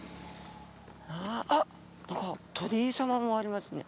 あっ何か鳥居様もありますね。